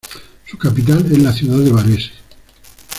Su capital es la ciudad de Varese.